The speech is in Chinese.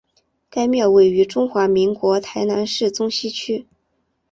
该庙位于中华民国台南市中西区。